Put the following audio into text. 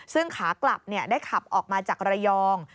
ซึ่งขากลับได้ขับออกมาจากระยอง